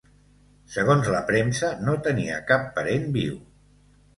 Segons la premsa, no tenia cap parent viu.